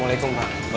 masih stern boi